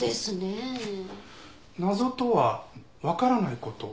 「謎」とはわからない事。